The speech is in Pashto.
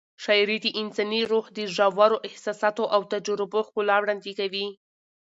شاعري د انساني روح د ژورو احساساتو او تجربو ښکلا وړاندې کوي.